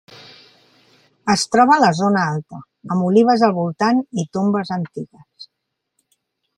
Es troba a la zona alta, amb olives al voltant i tombes antigues.